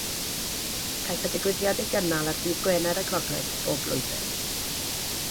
Caiff y digwyddiad ei gynnal ar Ddydd Gwener y Groglith bob blwyddyn.